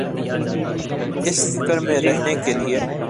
اس فکر میں رہنے کیلئے۔